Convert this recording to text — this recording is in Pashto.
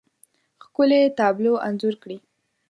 ښکلې، تابلو انځور کړي